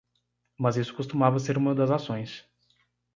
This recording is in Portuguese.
Mas isso costumava ser uma das ações.